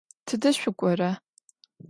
Tıde şsuk'ora?